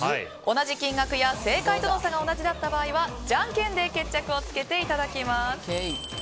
同じ金額や正解との差が同じだった場合はじゃんけんで決着をつけていただきます。